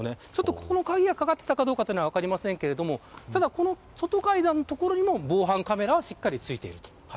そこの鍵がかかっていたかどうか分かりませんが外階段の所にも防犯カメラはしっかり付いている。